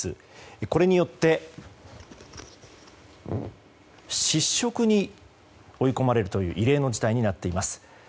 これによって失職に追い込まれるという異例の事態になっています。